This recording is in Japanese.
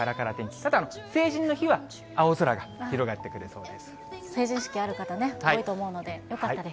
ただ、成人の日は青空が広がってくれそうです。